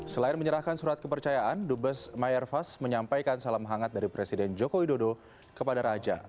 selain menyerahkan surat kepercayaan dubes mayorfast menyampaikan salam hangat dari presiden joko widodo kepada raja